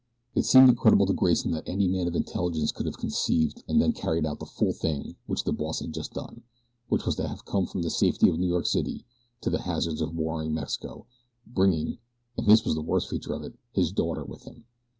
It seemed incredible to Grayson that any man of intelligence could have conceived and then carried out the fool thing which the boss had just done, which was to have come from the safety of New York City to the hazards of warring Mexico, bringing and this was the worst feature of it his daughter with him.